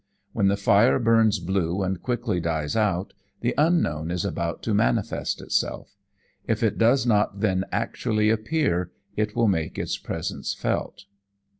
When the fire burns blue and quickly dies out, the Unknown is about to manifest itself; if it does not then actually appear it will make its presence felt.